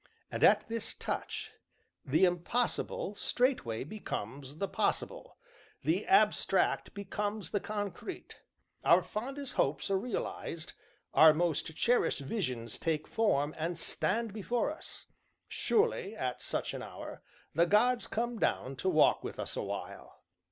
And, at his touch, the Impossible straightway becomes the Possible; the Abstract becomes the Concrete; our fondest hopes are realized; our most cherished visions take form, and stand before us; surely, at such an hour, the gods come down to walk with us awhile.